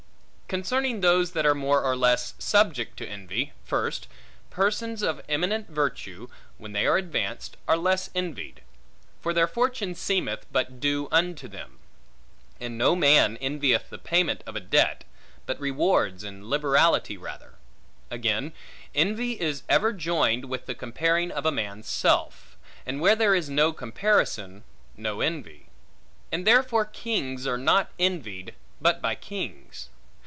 Concerning those that are more or less subject to envy: First, persons of eminent virtue, when they are advanced, are less envied. For their fortune seemeth, but due unto them; and no man envieth the payment of a debt, but rewards and liberality rather. Again, envy is ever joined with the comparing of a man's self; and where there is no comparison, no envy; and therefore kings are not envied, but by kings.